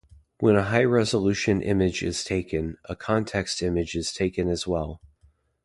When a high resolution image is taken, a context image is taken as well.